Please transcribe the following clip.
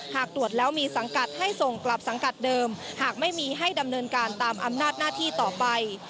หากตรวจแล้วมีสังกัดให้ส่งกลับสังกัดเดิมหากไม่มีให้ดำเนินการตามอำนาจหน้าที่ต่อไป